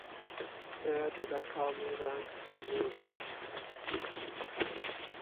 Prior to that Army ranks were used.